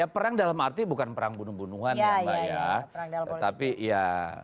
perang dalam arti bukan perang bunuh bunuhan ya mbak ya